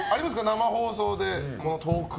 生放送でトーク。